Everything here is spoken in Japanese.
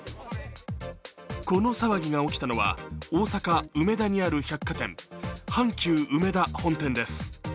この騒ぎが起きたのは大阪・梅田にある百貨店・阪急うめだ本店です。